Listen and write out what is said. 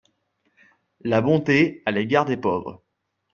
La bonté à l’égard des pauvres.